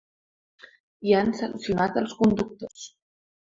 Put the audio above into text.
I han sancionat als conductors.